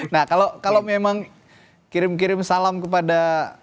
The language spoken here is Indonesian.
nah kalau memang kirim kirim salam kepada